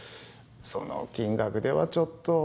その金額ではちょっと。